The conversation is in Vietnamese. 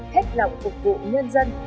hết lòng phục vụ nhân dân